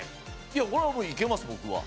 いやこれはもういけます僕は。